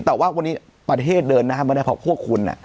แต่ว่าวันนี้ประเทศเดินหน้าไม่ได้เพราะพวกคุณ